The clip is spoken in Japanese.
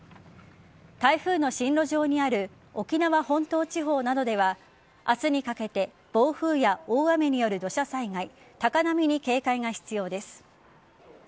台風の進路上にある沖縄本島地方などでは明日にかけて暴風や大雨による土砂災害高波に警戒が必要です。